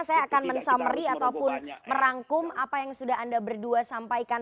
saya akan men summary ataupun merangkum apa yang sudah anda berdua sampaikan